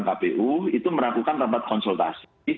kpu itu melakukan rapat konsultasi